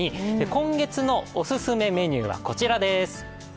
今月のお勧めメニューはこちらです。